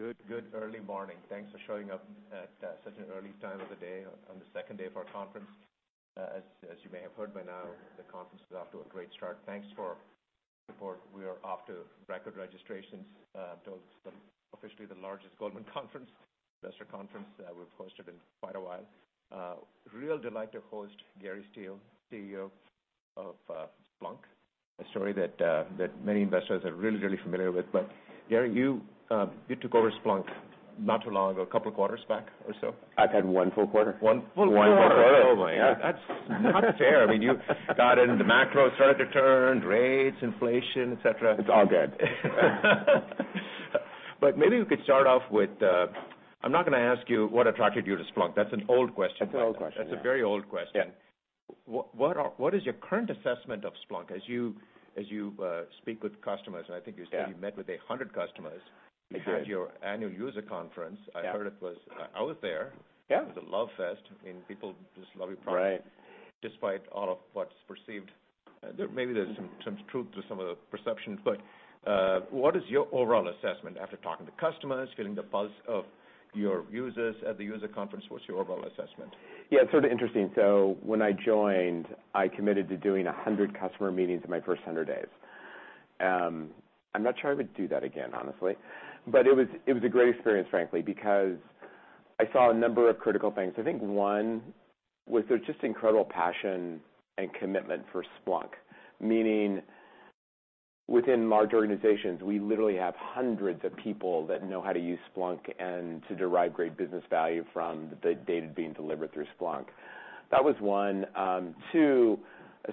Good early morning. Thanks for showing up at such an early time of the day on the second day of our conference. As you may have heard by now, the conference is off to a great start. We are off to record registrations. This is officially the largest Goldman Sachs investor conference that we've hosted in quite a while. It's a real delight to host Gary Steele, CEO of Splunk. A story that many investors are really familiar with. Gary, you took over Splunk not too long ago, a couple 1/4s back or so. I've had one full 1/4. One full 1/4. One full 1/4. Oh my God. Yeah. That's not fair. I mean, you got in, the macro started to turn, rates, inflation, et cetera. It's all good. Maybe you could start off with, I'm not gonna ask you what attracted you to Splunk. That's an old question. That's an old question, yeah. That's a very old question. Yeah. What is your current assessment of Splunk as you speak with customers? I think you said- Yeah. You met with 100 customers. We did. At your annual user conference. Yeah. I heard it was, I was there. Yeah. It was a love fest. I mean, people just love your product. Right. Despite all of what's perceived. There may be some truth to some of the perceptions, but, what is your overall assessment after talking to customers, getting the pulse of your users at the user conference? What's your overall assessment? Yeah, it's sort of interesting. When I joined, I committed to doing 100 customer meetings in my first 100 days. I'm not sure I would do that again, honestly. It was a great experience, frankly, because I saw a number of critical things. I think one was there's just incredible passion and commitment for Splunk. Meaning within large organizations, we literally have hundreds of people that know how to use Splunk and to derive great business value from the data being delivered through Splunk. That was one. Two,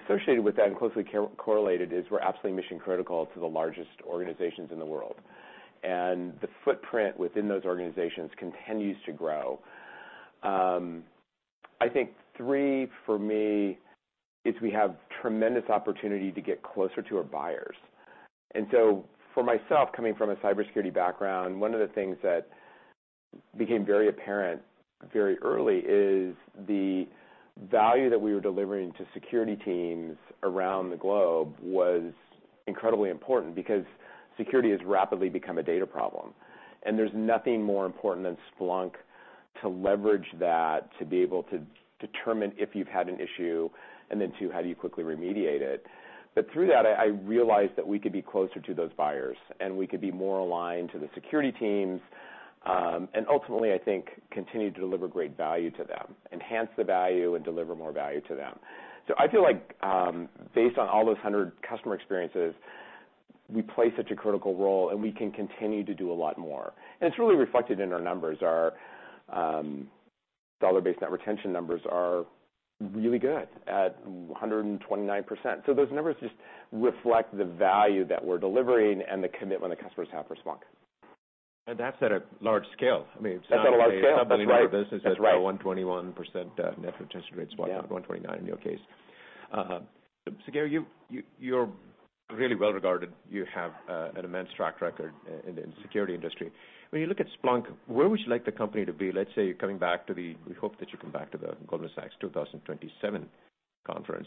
associated with that and closely correlated is we're absolutely Mission-Critical to the largest organizations in the world, and the footprint within those organizations continues to grow. I think 3 for me is we have tremendous opportunity to get closer to our buyers. For myself, coming from a cybersecurity background, one of the things that became very apparent very early is the value that we were delivering to security teams around the globe was incredibly important because security has rapidly become a data problem. There's nothing more important than Splunk to leverage that, to be able to determine if you've had an issue and then 2, how do you quickly remediate it. Through that, I realized that we could be closer to those buyers, and we could be more aligned to the security teams, and ultimately, I think, continue to deliver great value to them, enhance the value and deliver more value to them. I feel like, based on all those 100 customer experiences, we play such a critical role, and we can continue to do a lot more. It's really reflected in our numbers. Our Dollar-Based net retention numbers are really good at 129%. Those numbers just reflect the value that we're delivering and the commitment the customers have for Splunk. That's at a large scale. That's at a large scale. That's right. It's not like a billion-dollar business that's at 121% net retention rate. Yeah. It's 1:29 in your case. Gary, you're really well regarded. You have an immense track record in the security industry. When you look at Splunk, where would you like the company to be, let's say we hope that you come back to the Goldman Sachs 2027 conference.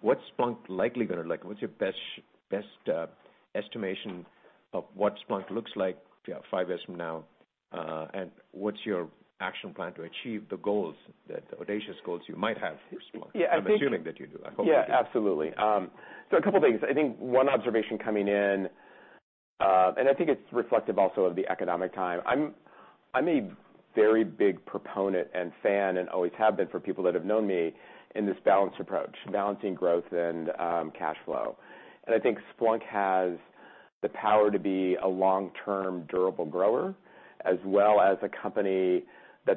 What's your best estimation of what Splunk looks like 5 years from now, and what's your action plan to achieve the goals, the audacious goals you might have for Splunk? Yeah, I think. I'm assuming that you do. I hope you do. Yeah, absolutely. So a couple things. I think one observation coming in, and I think it's reflective also of the economic time. I'm a very big proponent and fan, and always have been for people that have known me, in this balanced approach, balancing growth and cash flow. I think Splunk has the power to be a Long-Term durable grower, as well as a company that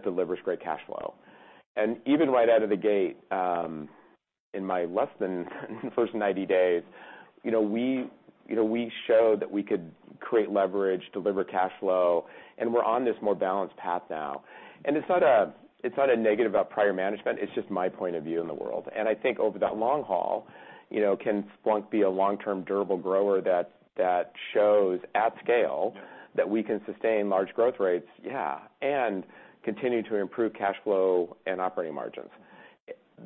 delivers great cash flow. Even right out of the gate, in my less than first 90 days, you know, we, you know, we showed that we could create leverage, deliver cash flow, and we're on this more balanced path now. It's not a negative about prior management, it's just my point of view in the world. I think over that long haul, you know, can Splunk be a Long-Term durable grower that shows at scale that we can sustain large growth rates? Yeah. Continue to improve cash flow and operating margins.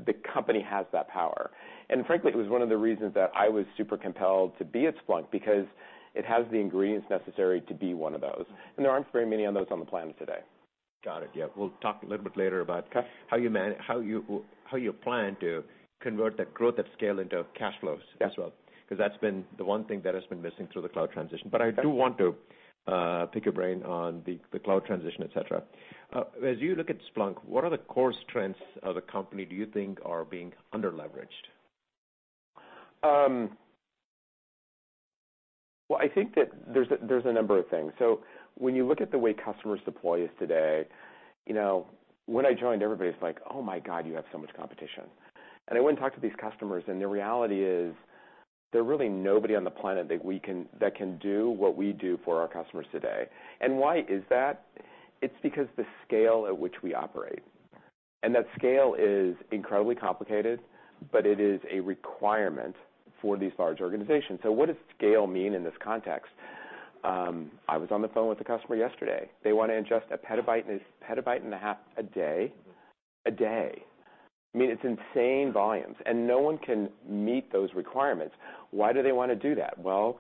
The company has that power. Frankly, it was one of the reasons that I was super compelled to be at Splunk because it has the ingredients necessary to be one of those, and there aren't very many of those on the planet today. Got it. Yeah. We'll talk a little bit later about. Okay. How you plan to convert that growth at scale into cash flows as well? Yeah. 'Cause that's been the one thing that has been missing through the cloud transition. I do want to pick your brain on the cloud transition, et cetera. As you look at Splunk, what other core strengths of the company do you think are being under-leveraged? Well, I think there's a number of things. When you look at the way customers deploy us today, you know, when I joined, everybody was like, "Oh my God, you have so much competition." I went and talked to these customers, and the reality is there's really nobody on the planet that can do what we do for our customers today. Why is that? It's because the scale at which we operate, and that scale is incredibly complicated, but it is a requirement for these large organizations. What does scale mean in this context? I was on the phone with a customer yesterday. They wanna ingest a petabyte and a 1/2 a day. Mm-hmm. Today. I mean, it's insane volumes, and no one can meet those requirements. Why do they want to do that? Well,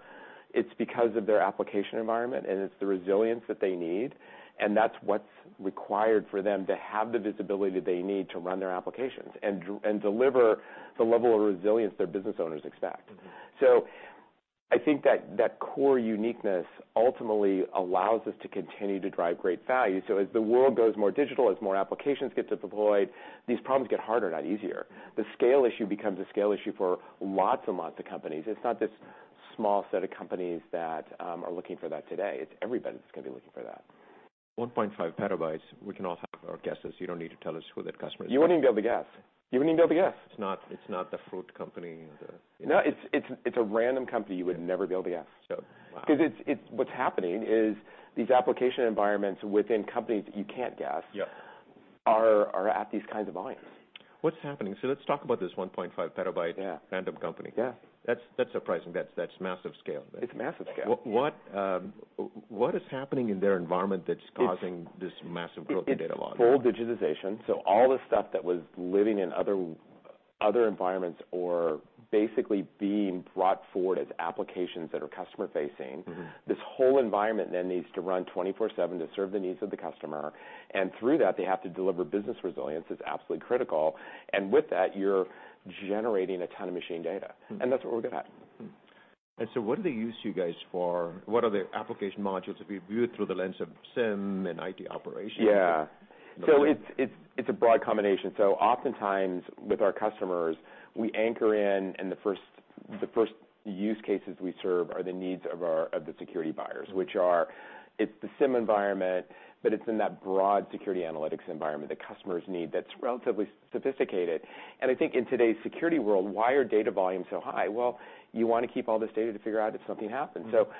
it's because of their application environment, and it's the resilience that they need, and that's what's required for them to have the visibility that they need to run their applications and deliver the level of resilience their business owners expect. Mm-hmm. I think that core uniqueness ultimately allows us to continue to drive great value. As the world goes more digital, as more applications get deployed, these problems get harder, not easier. The scale issue becomes a scale issue for lots and lots of companies. It's not this small set of companies that are looking for that today. It's everybody that's gonna be looking for that. 1.5 petabytes, we can all have our guesses. You don't need to tell us who that customer is. You wouldn't be able to guess. It's not the fruit company. No. It's a random company you would never be able to guess. Wow. 'Cause it's what's happening is these application environments within companies that you can't guess- Yeah are at these kinds of volumes. What's happening? Let's talk about this 1.5 petabyte- Yeah Random company. Yeah. That's surprising. That's massive scale. It's massive scale. What is happening in their environment that's causing? It's- this massive growth in data log? It's full digitization, so all the stuff that was living in other environments or basically being brought forward as applications that are Customer-Facing. Mm-hmm. This whole environment then needs to run 24/7 to serve the needs of the customer, and through that they have to deliver business resilience. It's absolutely critical. With that, you're generating a ton of machine data. Mm-hmm. That's what we're good at. What do they use you guys for? What are the application modules if you view it through the lens of SIEM and IT operations? Yeah. The- It's a broad combination. Oftentimes with our customers, we anchor in, and the first use cases we serve are the needs of the security buyers, which are it's the SIEM environment, but it's in that broad security analytics environment that customers need that's relatively sophisticated. I think in today's security world, why are data volumes so high? Well, you want to keep all this data to figure out if something happened. Mm-hmm.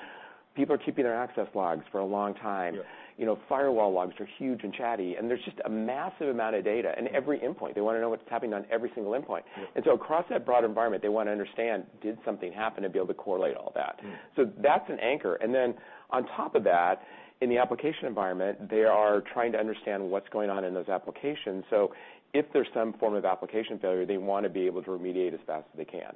People are keeping their access logs for a long time. Yeah. You know, firewall logs are huge and chatty, and there's just a massive amount of data in every endpoint. They want to know what's happening on every single endpoint. Yeah. Across that broader environment, they want to understand, did something happen, and be able to correlate all that. Mm-hmm. That's an anchor. Then on top of that, in the application environment, they are trying to understand what's going on in those applications. If there's some form of application failure, they want to be able to remediate as fast as they can.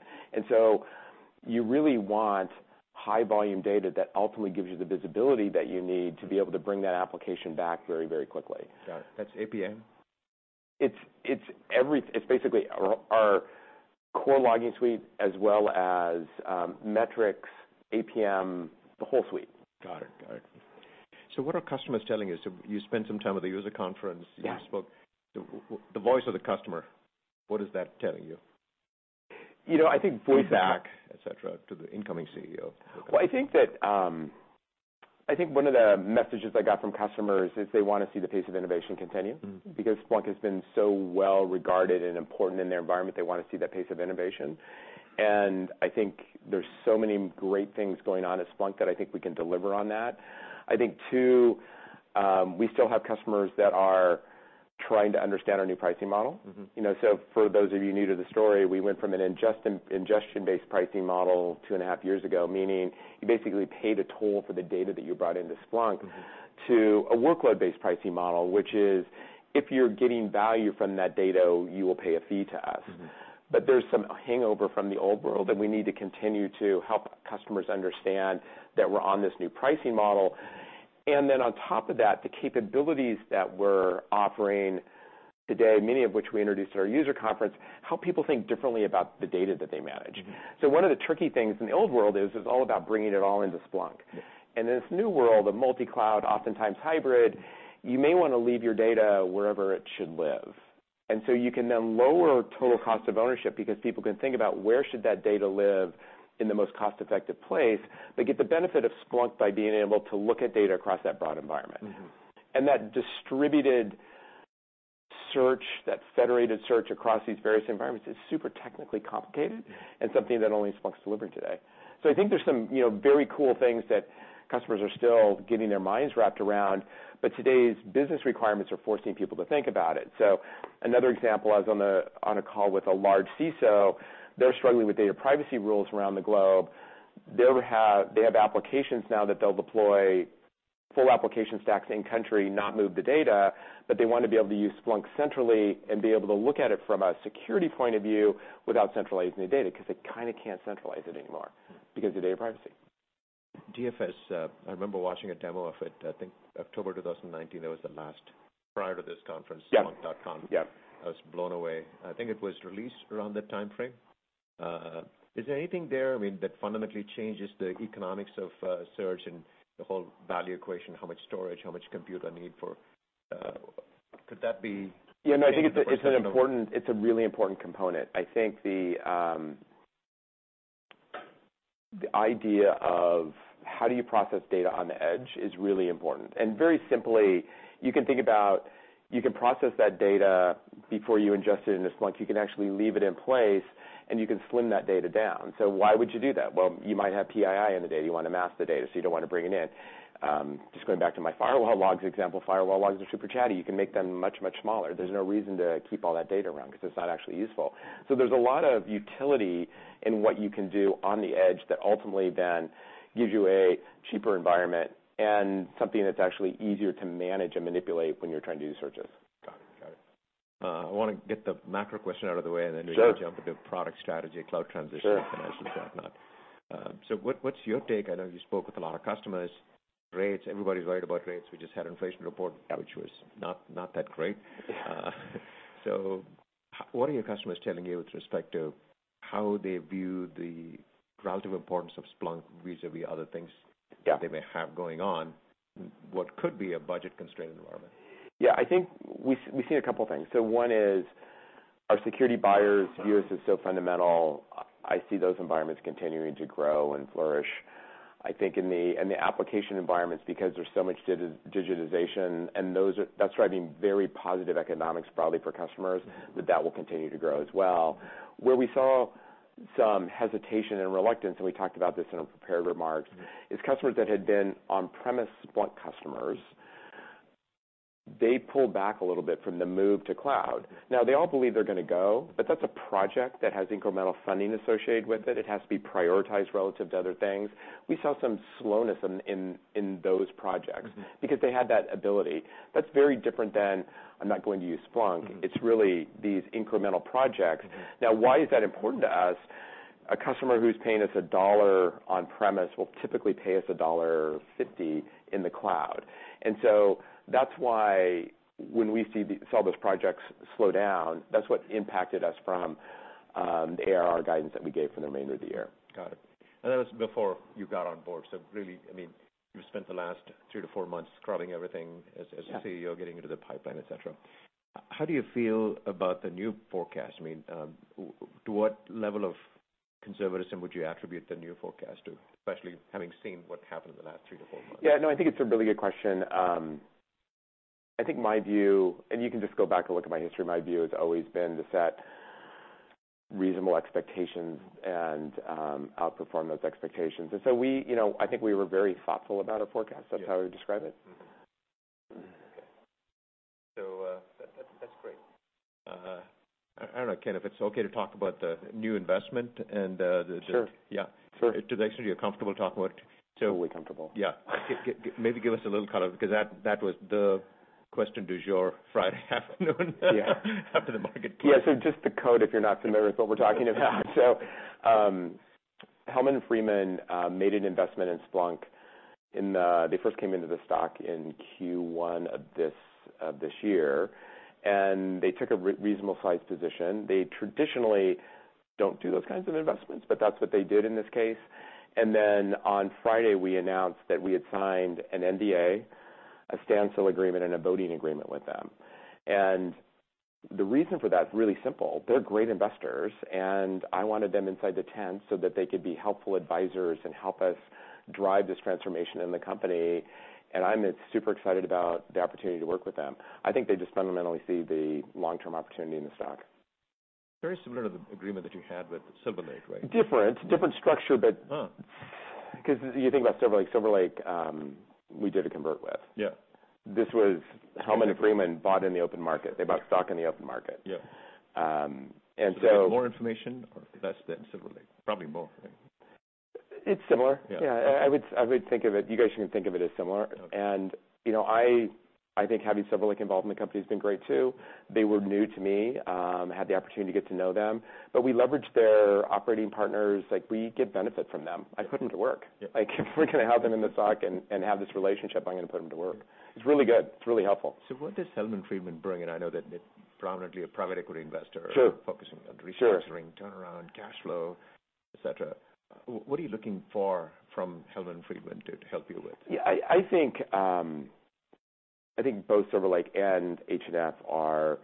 You really want high volume data that ultimately gives you the visibility that you need to be able to bring that application back very, very quickly. Got it. That's APM? It's basically our core logging suite as well as metrics, APM, the whole suite. Got it. What are customers telling you? You spent some time with the user conference. Yeah. You spoke. The voice of the customer, what is that telling you? You know, I think. Et cetera, to the incoming CEO. Well, I think one of the messages I got from customers is they want to see the pace of innovation continue. Mm-hmm. Because Splunk has been so well regarded and important in their environment, they want to see that pace of innovation. I think there's so many great things going on at Splunk that I think we can deliver on that. I think, 2, we still have customers that are trying to understand our new pricing model. Mm-hmm. You know, for those of you new to the story, we went from an ingestion-based pricing model 2 and a 1/2 years ago, meaning you basically paid a toll for the data that you brought into Splunk. Mm-hmm To a workload-based pricing model, which is, if you're getting value from that data, you will pay a fee to us. Mm-hmm. There's some hangover from the old world, and we need to continue to help customers understand that we're on this new pricing model. On top of that, the capabilities that we're offering today, many of which we introduced at our user conference, help people think differently about the data that they manage. Mm-hmm. One of the tricky things in the old world is, it's all about bringing it all into Splunk. Yeah. In this new world of multi-cloud, oftentimes hybrid, you may want to leave your data wherever it should live. You can then lower total cost of ownership because people can think about where should that data live in the most cost-effective place, but get the benefit of Splunk by being able to look at data across that broad environment. Mm-hmm. That distributed search, that federated search across these various environments is super technically complicated. Yeah something that only Splunk's delivering today. I think there's some, you know, very cool things that customers are still getting their minds wrapped around, but today's business requirements are forcing people to think about it. Another example, I was on a call with a large CISO. They're struggling with data privacy rules around the globe. They have applications now that they'll deploy full application stacks in country, not move the data, but they want to be able to use Splunk centrally and be able to look at it from a security point of view without centralizing the data, 'cause they kind of can't centralize it anymore. Hmm because of data privacy. DFS, I remember watching a demo of it, I think October 2019. That was the last prior to this conference. Yeah .conf. Yeah. I was blown away. I think it was released around that timeframe. Is there anything there, I mean, that fundamentally changes the economics of search and the whole value equation, how much storage, how much compute need for. Could that be? It's a really important component. I think the idea of how do you process data on the edge is really important. Very simply, you can process that data before you ingest it into Splunk. You can actually leave it in place, and you can slim that data down. Why would you do that? Well, you might have PII in the data. You want to mask the data, so you don't want to bring it in. Just going back to my firewall logs example, firewall logs are super chatty. You can make them much smaller. There's no reason to keep all that data around because it's not actually useful. There's a lot of utility in what you can do on the edge that ultimately then gives you a cheaper environment and something that's actually easier to manage and manipulate when you're trying to do searches. I wanna get the macro question out of the way, and then. Sure We can jump into product strategy, cloud transition. Sure Finance and whatnot. What, what's your take? I know you spoke with a lot of customers. Rates, everybody's worried about rates. We just had an inflation report, which was not that great. Yeah. What are your customers telling you with respect to how they view the relative importance of Splunk vis-à-vis other things? Yeah that they may have going on, what could be a budget-constrained environment? Yeah. I think we've seen a couple things. One is our security buyers view us as so fundamental. I see those environments continuing to grow and flourish. I think in the application environments because there's so much digitization, and that's driving very positive economics probably for customers. Mm-hmm. That will continue to grow as well. Where we saw some hesitation and reluctance, and we talked about this in our prepared remarks. Mm-hmm It is customers that had been on-premise Splunk customers. They pulled back a little bit from the move to cloud. Now, they all believe they're gonna go, but that's a project that has incremental funding associated with it. It has to be prioritized relative to other things. We saw some slowness in those projects. Mm-hmm. Because they had that ability. That's very different than, "I'm not going to use Splunk. Mm-hmm. It's really these incremental projects. Mm-hmm. Now why is that important to us? A customer who's paying us $1 on-premise will typically pay us $1.50 in the cloud. That's why when we saw those projects slow down, that's what impacted us from the ARR guidance that we gave for the remainder of the year. Got it. That was before you got on board, so really, I mean, you spent the last 3-4 months scrubbing everything as Yeah CEO, getting into the pipeline, et cetera. How do you feel about the new forecast? I mean, to what level of conservatism would you attribute the new forecast to, especially having seen what happened in the last 3-4 months? Yeah, no, I think it's a really good question. I think my view, and you can just go back and look at my history, my view has always been to set reasonable expectations and, outperform those expectations. We, you know, I think we were very thoughtful about our forecast. Yeah. That's how I would describe it. Mm-hmm. Mm-hmm. Okay. That's great. I don't know, Ken, if it's okay to talk about the new investment. Sure. Yeah. Sure. Do they send you a comfortable talk about it? Totally comfortable. Yeah. Maybe give us a little color 'cause that was the question du jour Friday afternoon. Yeah. After the market closed. Yeah. Just the quote if you're not familiar with what we're talking about. Hellman & Friedman made an investment in Splunk. They first came into the stock in Q1 of this year, and they took a reasonable sized position. They traditionally don't do those kinds of investments, but that's what they did in this case. Then on Friday, we announced that we had signed an NDA, a standstill agreement, and a voting agreement with them. The reason for that is really simple. They're great investors, and I wanted them inside the tent so that they could be helpful advisors and help us drive this transformation in the company. I'm super excited about the opportunity to work with them. I think they just fundamentally see the Long-Term opportunity in the stock. Very similar to the agreement that you had with Silver Lake, right? Different structure, but Oh. 'Cause you think about Silver Lake, we did a convertible with. Yeah. This was Hellman & Friedman bought in the open market. They bought stock in the open market. Yeah. Um, and so- They have more information or less than Silver Lake? Probably more, I think. It's similar. Yeah. Yeah. I would think of it. You guys can think of it as similar. Okay. You know, I think having Silver Lake involved in the company has been great too. They were new to me. Had the opportunity to get to know them, but we leveraged their operating partners. Like, we get benefit from them. Yeah. I put them to work. Yeah. Like, if we're gonna have them in the stock and have this relationship, I'm gonna put them to work. Yeah. It's really good. It's really helpful. What does Hellman & Friedman bring? I know that it predominantly a private equity investor. Sure focusing on restructuring. Sure Turnaround, cash flow, et cetera. What are you looking for from Hellman & Friedman to help you with? Yeah. I think both Silver Lake and H&F are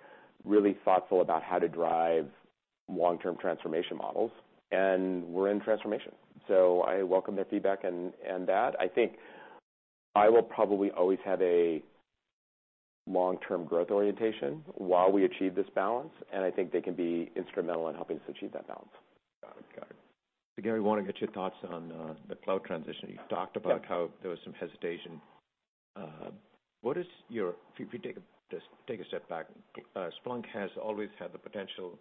really thoughtful about how to drive Long-Term transformation models, and we're in transformation. I welcome their feedback and that. I think I will probably always have a Long-Term growth orientation while we achieve this balance, and I think they can be instrumental in helping us achieve that balance. Got it. Gary, wanna get your thoughts on the cloud transition. You've talked about. Yeah How there was some hesitation. If you just take a step back, Splunk has always had the potential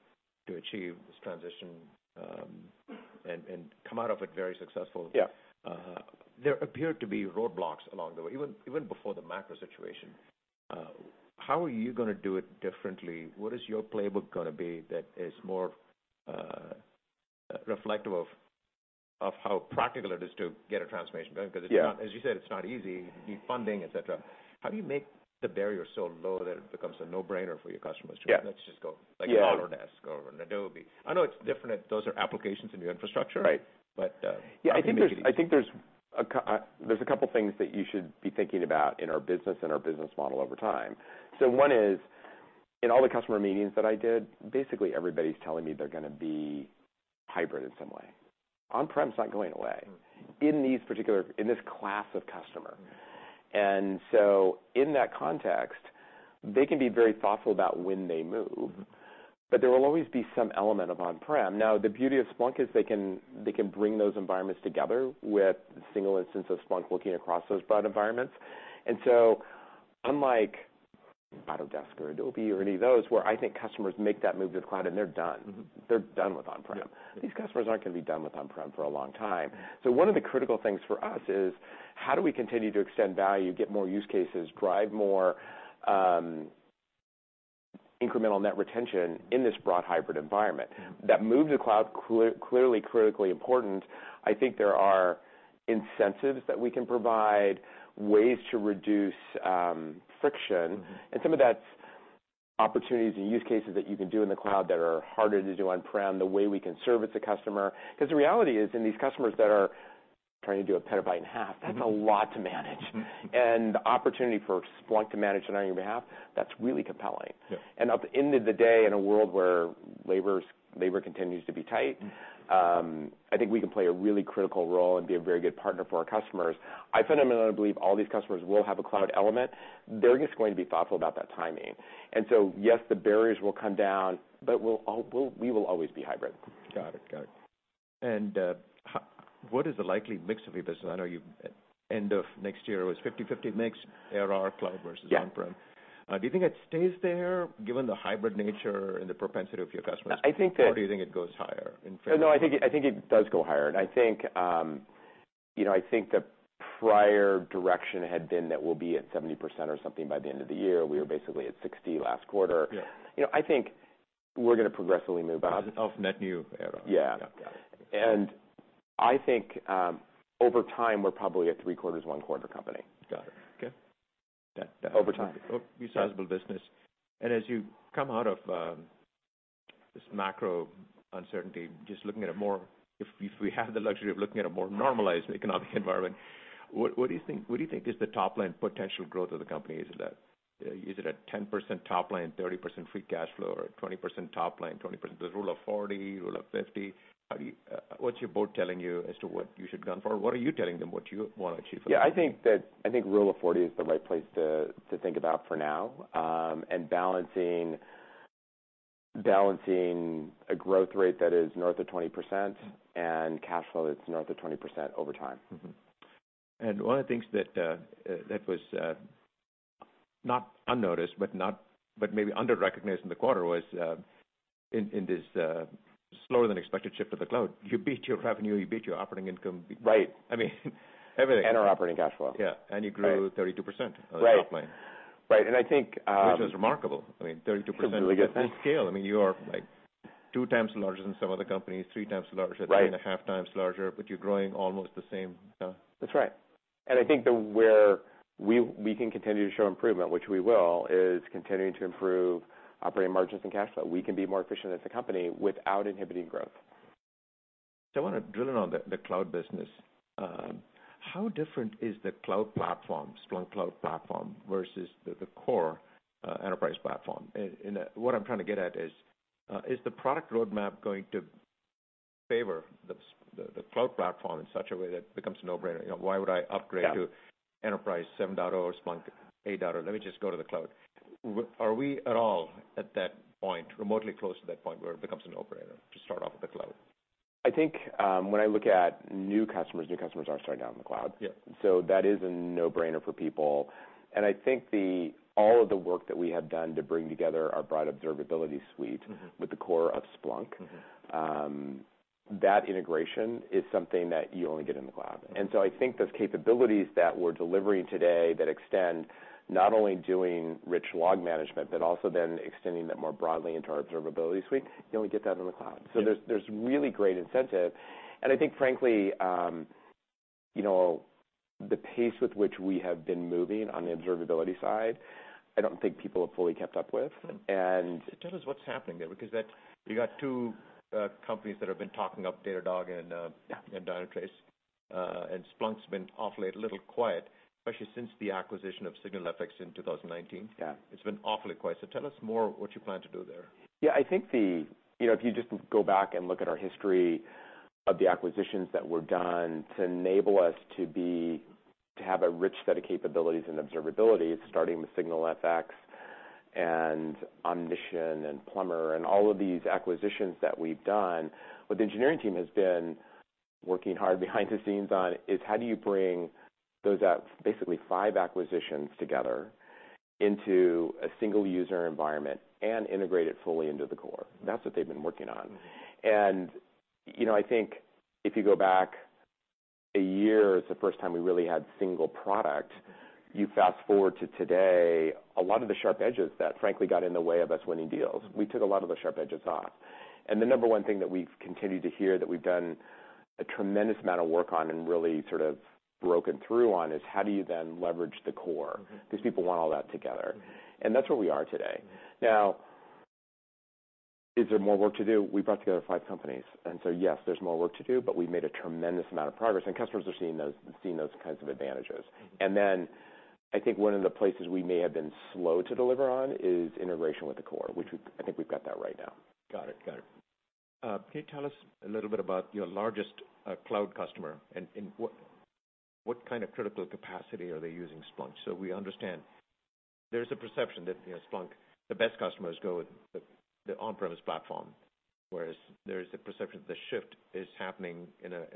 to achieve this transition, and come out of it very successful. Yeah. There appeared to be roadblocks along the way, even before the macro situation. How are you gonna do it differently? What is your playbook gonna be that is more reflective of how practical it is to get a transformation going? 'Cause it's not. Yeah. As you said, it's not easy. You need funding, et cetera. How do you make the barrier so low that it becomes a No-Brainer for your customers to. Yeah Let's just go. Yeah. Like an Autodesk or an Adobe. I know it's different, those are applications in your infrastructure. Right. How do you make it easy? Yeah. I think there's a couple things that you should be thinking about in our business and our business model over time. One is, in all the customer meetings that I did, basically everybody's telling me they're gonna be hybrid in some way. On-prem's not going away. Mm-hmm. In this class of customer. Mm-hmm. In that context, they can be very thoughtful about when they move, but there will always be some element of on-prem. Now, the beauty of Splunk is they can, they can bring those environments together with a single instance of Splunk looking across those broad environments. Unlike Autodesk or Adobe or any of those, where I think customers make that move to the cloud and they're done. Mm-hmm. They're done with on-prem. Yeah. These customers aren't gonna be done with on-prem for a long time. Mm-hmm. One of the critical things for us is how do we continue to extend value, get more use cases, drive more incremental net retention in this broad hybrid environment. Mm-hmm. That move to cloud clearly critically important. I think there are incentives that we can provide, ways to reduce, friction. Mm-hmm. Some of that's opportunities and use cases that you can do in the cloud that are harder to do on-prem, the way we can service a customer. 'Cause the reality is, and these customers that are trying to do a petabyte in 1/2- Mm-hmm That's a lot to manage. Mm-hmm. The opportunity for Splunk to manage that on your behalf, that's really compelling. Yeah. At the end of the day, in a world where labor continues to be tight. Mm-hmm I think we can play a really critical role and be a very good partner for our customers. I fundamentally believe all these customers will have a cloud element, they're just going to be thoughtful about that timing. Yes, the barriers will come down, but we will always be hybrid. Got it. What is the likely mix of your business? I know end of next year was 50/50 mix ARR cloud versus- Yeah ... on-prem. Do you think it stays there given the hybrid nature and the propensity of your customers? I think that. Do you think it goes higher in favor of cloud? No, I think it does go higher. I think, you know, I think the prior direction had been that we'll be at 70% or something by the end of the year. We were basically at 60% last 1/4. Yeah. You know, I think we're gonna progressively move up. Of net new ARR. Yeah. Yeah. Yeah. I think, over time, we're probably a three-quarters/one-quarter company. Got it. Okay. Yeah. Over time. Sizable business. As you come out of this macro uncertainty, just looking at a more normalized economic environment, what do you think is the top-line potential growth of the company? Is it a 10% top line, 30% free cash flow, or a 20% top line, 20%? There's rule of 40, rule of 50. What's your board telling you as to what you should gun for? What are you telling them what you want to achieve for the company? Yeah, I think the Rule of 40 is the right place to think about for now. Balancing a growth rate that is north of 20% and cash flow that's north of 20% over time. One of the things that was not unnoticed, but maybe under-recognized in the 1/4 was, in this slower than expected shift to the cloud, you beat your revenue, you beat your operating income. Right I mean, everything. Our operating cash flow. Yeah. You grew- Right 32%- Right on the top line. Right. I think, Which is remarkable. I mean, 32%- It's a really good thing. At full scale. I mean, you are, like, 2 times larger than some other companies, 3 times larger. Right 3.5 times larger, but you're growing almost the same. That's right. I think that where we can continue to show improvement, which we will, is continuing to improve operating margins and cash flow. We can be more efficient as a company without inhibiting growth. I wanna drill in on the cloud business. How different is the cloud platform, Splunk Cloud Platform, versus the core enterprise platform? What I'm trying to get at is the product roadmap going to favor the cloud platform in such a way that it becomes a No-Brainer? You know, why would I upgrade to- Yeah Enterprise 7.0 or Splunk 8.0? Let me just go to the cloud. Are we at all at that point, remotely close to that point, where it becomes a No-Brainer to start off with the cloud? I think, when I look at new customers, new customers are starting out in the cloud. Yeah. That is a No-Brainer for people. I think all of the work that we have done to bring together our broad observability suite. Mm-hmm with the core of Splunk Mm-hmm that integration is something that you only get in the cloud. Mm-hmm. I think those capabilities that we're delivering today that extend not only doing rich log management, but also then extending that more broadly into our observability suite, you only get that in the cloud. Yeah. There's really great incentive. I think frankly, you know, the pace with which we have been moving on the observability side, I don't think people have fully kept up with. Mm-hmm. And- Tell us what's happening there, because that you got 2 companies that have been talking up, Datadog and Yeah... and Dynatrace. Splunk's been awfully a little quiet, especially since the acquisition of SignalFx in 2019. Yeah. It's been awfully quiet. Tell us more what you plan to do there? Yeah, I think. You know, if you just go back and look at our history of the acquisitions that were done to enable us to have a rich set of capabilities and observability, starting with SignalFx and Omnition and Plumbr and all of these acquisitions that we've done, what the engineering team has been working hard behind the scenes on is, how do you bring those basically 5 acquisitions together into a single user environment and integrate it fully into the core? That's what they've been working on. Mm-hmm. You know, I think if you go back a year is the first time we really had single product. You fast-forward to today, a lot of the sharp edges that frankly got in the way of us winning deals, we took a lot of the sharp edges off. The number one thing that we've continued to hear that we've done a tremendous amount of work on and really sort of broken through on is, how do you then leverage the core? Mm-hmm. 'Cause people want all that together. Mm-hmm. That's where we are today. Now, is there more work to do? We brought together 5 companies. Yes, there's more work to do, but we've made a tremendous amount of progress, and customers are seeing those kinds of advantages. Mm-hmm. I think one of the places we may have been slow to deliver on is integration with the core, which I think we've got that right now. Got it. Can you tell us a little bit about your largest cloud customer, and what kind of critical capacity are they using Splunk? We understand there's a perception that, you know, Splunk, the best customers go with the On-Premise platform, whereas there's the perception that the shift is happening in a way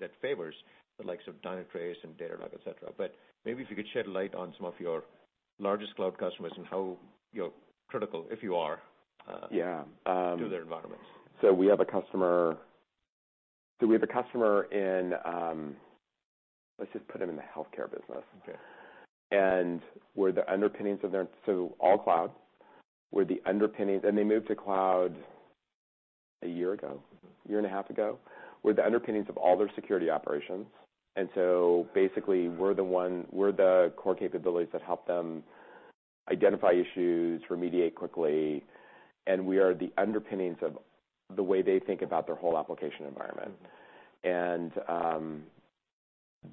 that favors the likes of Dynatrace and Datadog, et cetera. Maybe if you could shed light on some of your largest cloud customers and how, you know, critical. Yeah. to their environments. We have a customer in the healthcare business. Okay. We're the underpinnings of their all cloud. They moved to cloud a year ago. Mm-hmm. A year and a 1/2 ago. We're the underpinnings of all their security operations. Basically, we're the core capabilities that help them identify issues, remediate quickly, and we are the underpinnings of the way they think about their whole application environment. Mm-hmm.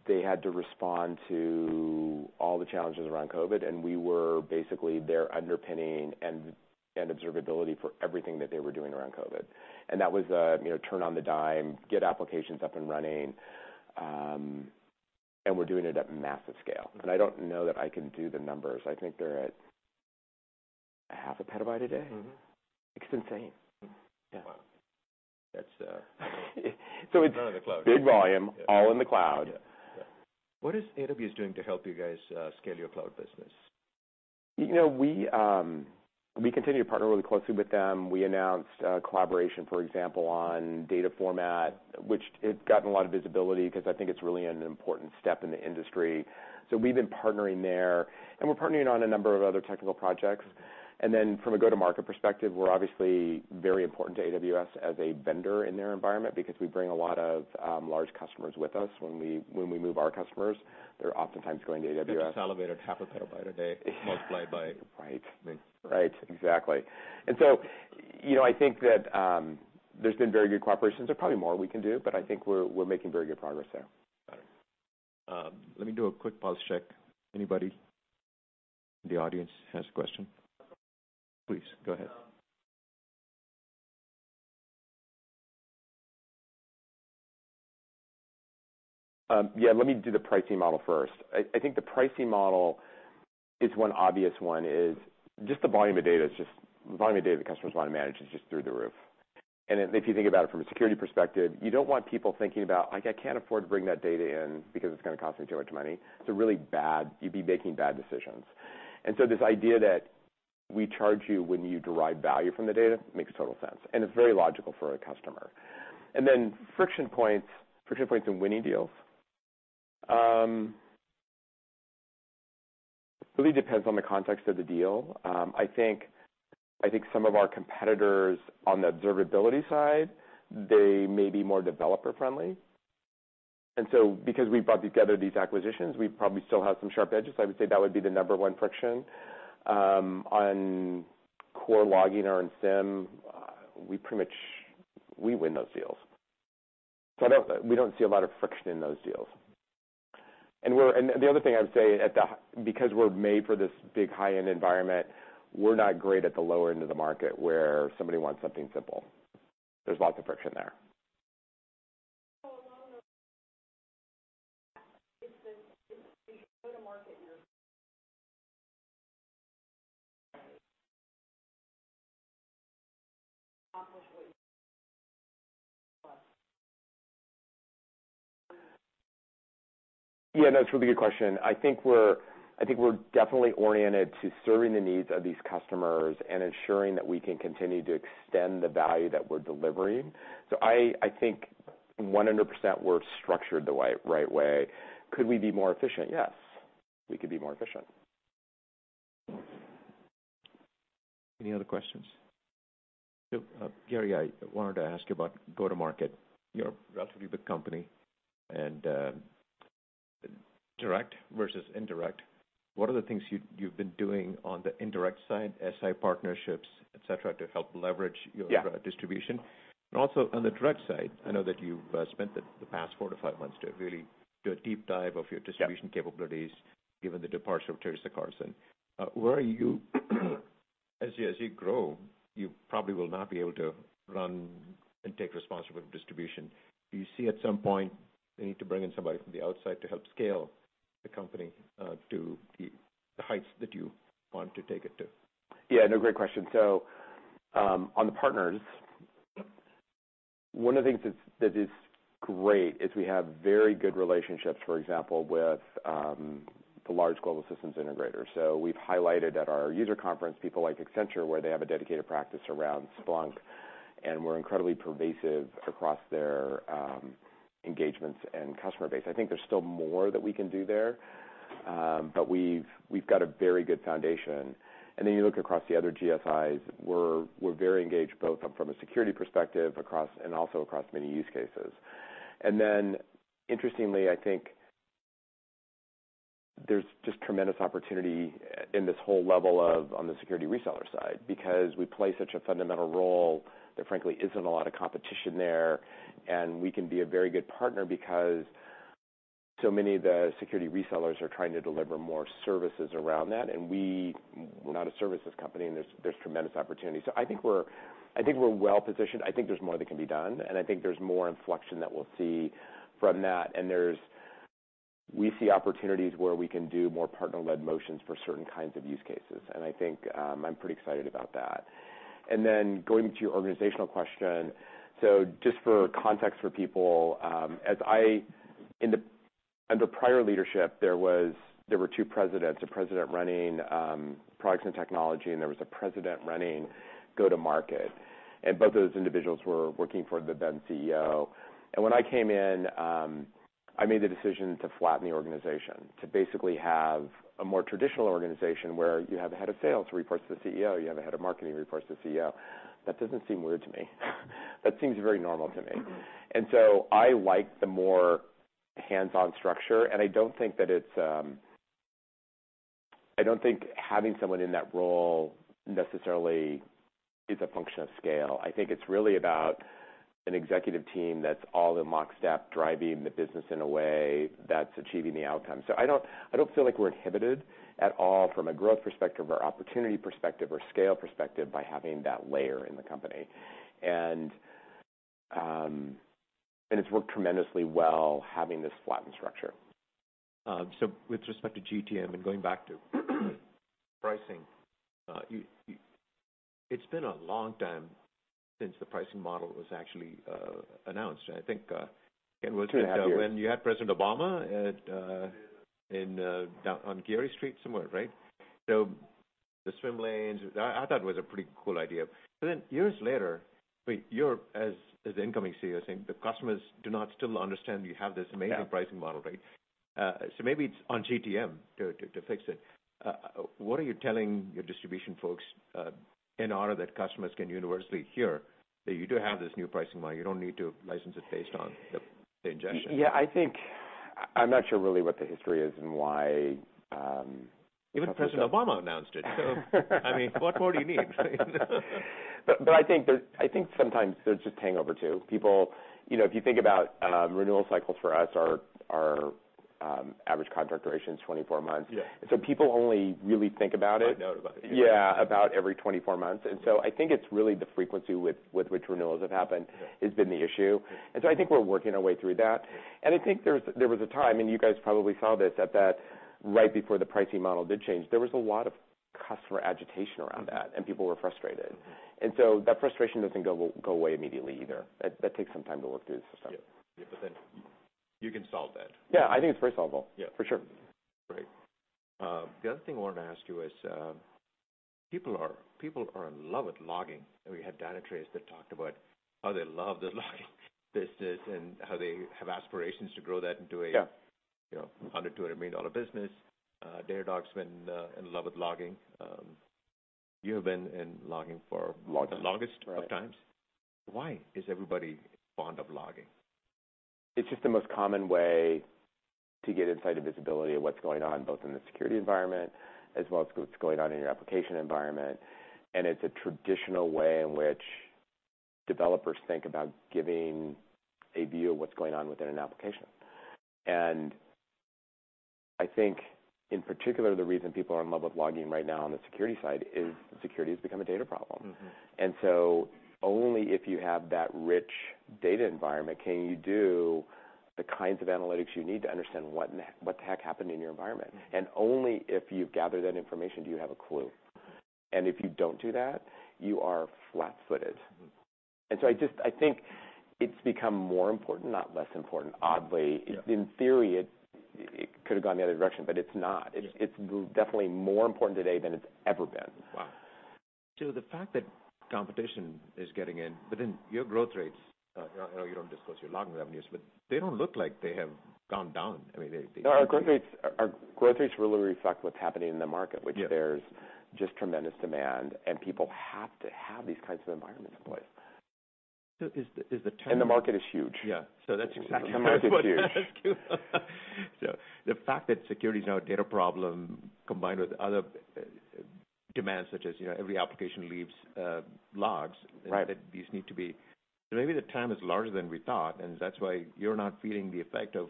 They had to respond to all the challenges around COVID, and we were basically their underpinning and observability for everything that they were doing around COVID. That was, you know, turn on the dime, get applications up and running, and we're doing it at massive scale. I don't know that I can do the numbers. I think they're at 1/2 a petabyte a day. Mm-hmm. It's insane. Mm-hmm. Yeah. Wow. That's none of the cloud. It's big volume. Yeah. All in the cloud. Yeah. What is AWS doing to help you guys, scale your cloud business? You know, we continue to partner really closely with them. We announced a collaboration, for example, on data format, which it's gotten a lot of visibility because I think it's really an important step in the industry. We've been partnering there, and we're partnering on a number of other technical projects. From a go-to-market perspective, we're obviously very important to AWS as a vendor in their environment because we bring a lot of large customers with us when we move our customers, they're oftentimes going to AWS. It's elevated 1/2 a petabyte a day multiplied by. Right. -me. Right. Exactly. You know, I think that there's been very good cooperation. There's probably more we can do, but I think we're making very good progress there. Got it. Let me do a quick pulse check. Anybody in the audience has a question? Please go ahead. Let me do the pricing model first. I think the pricing model is one obvious one is just the volume of data the customers wanna manage is just through the roof. If you think about it from a security perspective, you don't want people thinking about, "I can't afford to bring that data in because it's gonna cost me too much money." It's a really bad. You'd be making bad decisions. This idea that we charge you when you derive value from the data makes total sense, and it's very logical for a customer. Friction points in winning deals really depends on the context of the deal. I think some of our competitors on the observability side, they may be more developer-friendly. Because we brought together these acquisitions, we probably still have some sharp edges. I would say that would be the number one friction. On core logging or in SIEM, we win those deals. We don't see a lot of friction in those deals. Because we're made for this big High-End environment, we're not great at the lower end of the market where somebody wants something simple. There's lots of friction there. Yeah, that's a really good question. I think we're definitely oriented to serving the needs of these customers and ensuring that we can continue to extend the value that we're delivering. I think 100% we're structured the right way. Could we be more efficient? Yes. We could be more efficient. Any other questions? Gary, I wanted to ask you about Go-To-Market. You're a relatively big company and, direct versus indirect, what are the things you've been doing on the indirect side, SI partnerships, et cetera, to help leverage your- Yeah. distribution? Also on the direct side, I know that you've spent the past 4-5 months to really do a deep dive of your distribution. Yeah. capabilities, given the departure of Teresa Carlson. Where are you as you grow? You probably will not be able to run and take responsibility for distribution. Do you see at some point you need to bring in somebody from the outside to help scale the company to the heights that you want to take it to? Yeah. No, great question. On the partners, one of the things that is great is we have very good relationships, for example, with the large Global Systems Integrators. We've highlighted at our user conference people like Accenture, where they have a dedicated practice around Splunk, and we're incredibly pervasive across their engagements and customer base. I think there's still more that we can do there, but we've got a very good foundation. You look across the other GSIs, we're very engaged both from a security perspective across and also across many use cases. Interestingly, I think there's just tremendous opportunity in this whole level of on the security reseller side, because we play such a fundamental role. There frankly isn't a lot of competition there. We can be a very good partner because so many of the security resellers are trying to deliver more services around that. We're not a services company, and there's tremendous opportunity. I think we're Well-Positioned. I think there's more that can be done, and I think there's more inflection that we'll see from that. We see opportunities where we can do more partner-led motions for certain kinds of use cases. I think I'm pretty excited about that. Then going to your organizational question. Just for context for people, under prior leadership, there were 2 presidents, a president running products and technology, and there was a president running Go-To-Market. Both of those individuals were working for the then CEO. When I came in, I made the decision to flatten the organization, to basically have a more traditional organization where you have a head of sales who reports to the CEO, you have a head of marketing who reports to the CEO. That doesn't seem weird to me. That seems very normal to me. I like the more Hands-On structure, and I don't think that it's I don't think having someone in that role necessarily is a function of scale. I think it's really about an executive team that's all in lockstep, driving the business in a way that's achieving the outcome. I don't feel like we're inhibited at all from a growth perspective or opportunity perspective or scale perspective by having that layer in the company. It's worked tremendously well, having this flattened structure. With respect to GTM and going back to pricing, you. It's been a long time since the pricing model was actually announced. I think it was. 2.5 years. When you had President Obama at, in, down on Geary Street somewhere, right? The swim lanes, I thought it was a pretty cool idea. Then years later, wait, you're, as incoming CEO, saying the customers do not still understand you have this amazing- Yeah. pricing model, right? Maybe it's on GTM to fix it. What are you telling your distribution folks in order that customers can universally hear that you do have this new pricing model. You don't need to license it based on the ingestion. Yeah. I think I'm not sure really what the history is and why. Even President Obama announced it. I mean, what more do you need, right? I think sometimes there's just hangover too. People, you know, if you think about, renewal cycles for us, our average contract duration is 24 months. Yeah. People only really think about it. Find out about it. Yeah, about every 24 months. I think it's really the frequency with which renewals have happened has been the issue. I think we're working our way through that. I think there was a time, and you guys probably saw this, at that, right before the pricing model did change, there was a lot of customer agitation around that, and people were frustrated. That frustration doesn't go away immediately either. That takes some time to work through the system. Yeah. Yeah, you can solve that. Yeah. I think it's very solvable. Yeah. For sure. Great. The other thing I wanted to ask you is, people are in love with logging. We had Data that talked about how they love the logging business and how they have aspirations to grow that into a Yeah. You know, a $100-$200 million business. Datadog's been in love with logging. You have been in logging for- Log it. the longest of times. Right. Why is everybody fond of logging? It's just the most common way to get insight and visibility of what's going on, both in the security environment as well as what's going on in your application environment. It's a traditional way in which developers think about giving a view of what's going on within an application. I think, in particular, the reason people are in love with logging right now on the security side is security has become a data problem. Mm-hmm. Only if you have that rich data environment can you do the kinds of analytics you need to understand what the heck happened in your environment. Only if you gather that information, do you have a clue. If you don't do that, you are Flat-Footed. Mm-hmm. I think it's become more important, not less important, oddly. Yeah. In theory, it could have gone the other direction, but it's not. Yeah. It's definitely more important today than it's ever been. Wow. The fact that competition is getting in, but then your growth rates, I know you don't disclose your logging revenues, but they don't look like they have gone down. I mean, they No, our growth rates really reflect what's happening in the market. Yeah. Which there's just tremendous demand, and people have to have these kinds of environments in place. So is the, is the- The market is huge. Yeah. That's exactly what I wanted to ask you. The market is huge. The fact that security is now a data problem combined with other demands, such as, you know, every application leaves logs. Right. that these need to be. Maybe the TAM is larger than we thought, and that's why you're not feeling the effect of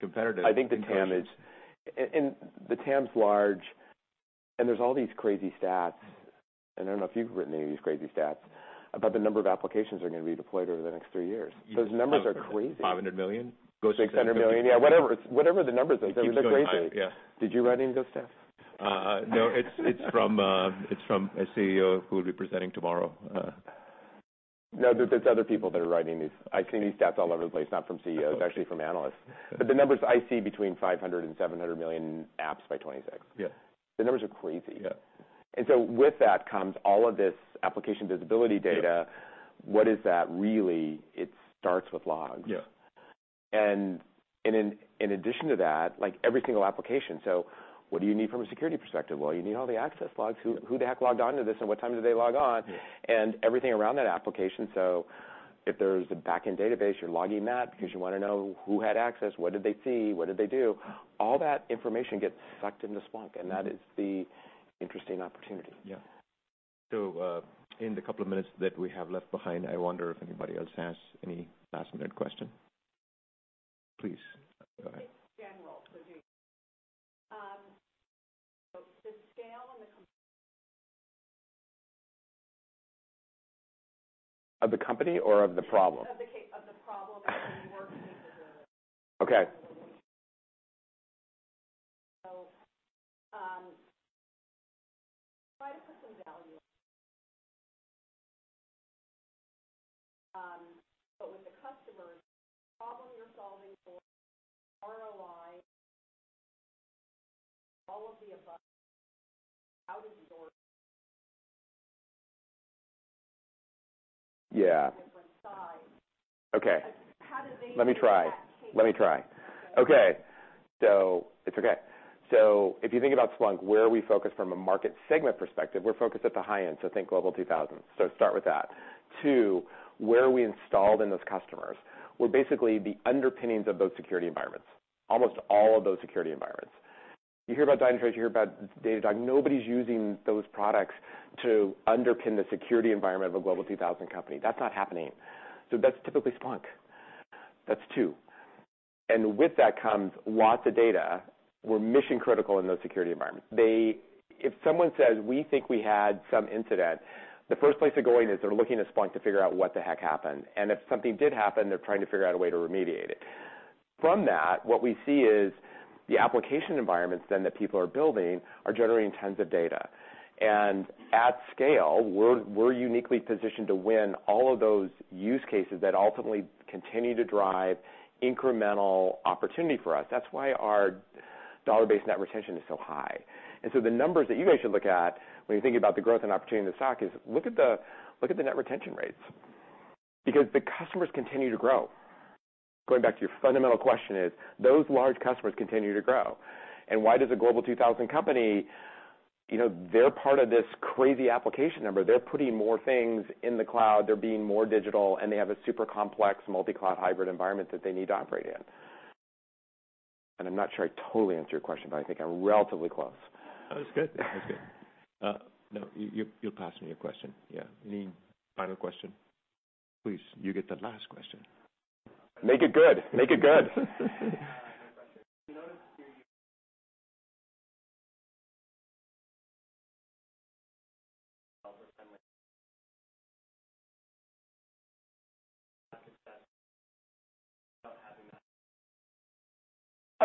competitive. I think the TAM is. -incumbents. The TAM's large, and there's all these crazy stats, and I don't know if you've written any of these crazy stats, about the number of applications are gonna be deployed over the next 3 years. Those numbers are crazy. $500 million. $600 million. Yeah, whatever it is, whatever the number is, they're crazy. It keeps going high, yeah. Did you write any of those stats? No. It's from a CEO who will be presenting tomorrow. No, there's other people that are writing these. I've seen these stats all over the place, not from CEOs, actually from analysts. The numbers I see between 500 and 700 million apps by 2026. Yeah. The numbers are crazy. Yeah. With that comes all of this application visibility data. Yeah. What is that really? It starts with logs. Yeah. In addition to that, like every single application. What do you need from a security perspective? Well, you need all the access logs. Who the heck logged on to this, and what time did they log on? Yeah. Everything around that application. If there's a back-end database, you're logging that because you wanna know who had access, what did they see, what did they do. All that information gets sucked into Splunk, and that is the interesting opportunity. Yeah. In the couple of minutes that we have left behind, I wonder if anybody else has any last-minute question. Please. Go ahead. It's general for you. The scale and the com- Of the company or of the problem? Of the cause of the problem and the work needed there. Okay. Provide us with some value. With the customers, the problem you're solving for ROI. All of the above. How did you? Yeah. from size. Okay. How do they- Let me try. If you think about Splunk, where are we focused from a market segment perspective, we're focused at the high end, so think Global 2000. Start with that. 2, where are we installed in those customers? We're basically the underpinnings of those security environments. Almost all of those security environments. You hear about Dynatrace, you hear about Datadog. Nobody's using those products to underpin the security environment of a Global 2000 company. That's not happening. That's typically Splunk. That's 2. With that comes lots of data. We're Mission-Critical in those security environments. If someone says, we think we had some incident, the first place they're going is they're looking to Splunk to figure out what the heck happened. If something did happen, they're trying to figure out a way to remediate it. From that, what we see is the application environments then that people are building are generating tons of data. At scale, we're uniquely positioned to win all of those use cases that ultimately continue to drive incremental opportunity for us. That's why our Dollar-Based net retention is so high. The numbers that you guys should look at when you're thinking about the growth and opportunity in the SOC is look at the net retention rates because the customers continue to grow. Going back to your fundamental question is those large customers continue to grow. Why does a Global 2000 company, you know, they're part of this crazy application number. They're putting more things in the cloud, they're being more digital, and they have a super complex Multi-Cloud hybrid environment that they need to operate in. I'm not sure I totally answered your question, but I think I'm relatively close. That was good. No, you'll pass me a question. Yeah. Any final question? Please, you get the last question. Make it good. No question. We noticed you.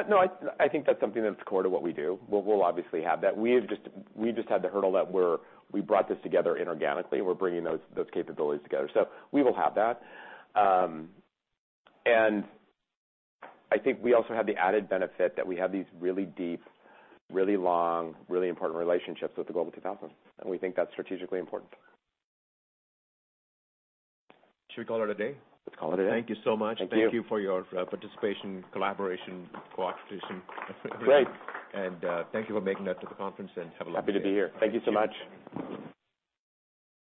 No, I think that's something that's core to what we do. We'll obviously have that. We have just had the hurdle that we brought this together inorganically. We're bringing those capabilities together. We will have that. I think we also have the added benefit that we have these really deep, really long, really important relationships with the Global 2000, and we think that's strategically important. Should we call it a day? Let's call it a day. Thank you so much. Thank you. Thank you for your participation, collaboration, cooperation. Great. Thank you for making it to the conference, and have a lovely day. Happy to be here. Thank you so much. Thank you.